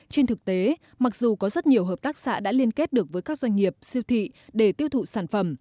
trên thực tế mặc dù có rất nhiều hợp tác xã đã liên kết được với các doanh nghiệp siêu thị để tiêu thụ sản phẩm